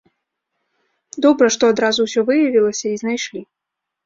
Добра, што адразу ўсё выявілася і знайшлі.